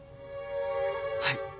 はい。